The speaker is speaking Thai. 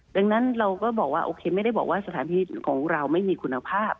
ดังนั้นเราก็บอกว่าโอเคไม่ได้บอกว่าสถานที่ของเราไม่มีคุณภาพ